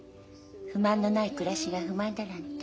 不満のない暮らしが不満だなんて。